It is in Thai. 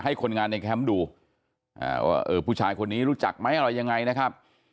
คนงานในแคมป์ดูว่าเออผู้ชายคนนี้รู้จักไหมอะไรยังไงนะครับ